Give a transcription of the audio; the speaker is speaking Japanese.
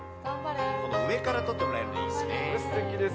上から撮ってもらえるのいいこれ、すてきですね。